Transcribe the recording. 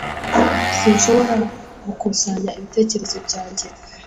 Sinshobora gukusanya ibitekerezo byanjye.